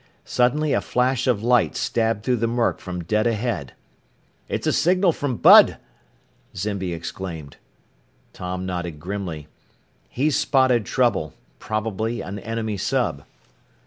Suddenly a flash of light stabbed through the murk from dead ahead. "It's a signal from Bud!" Zimby exclaimed. Tom nodded grimly. "He's spotted trouble probably an enemy sub."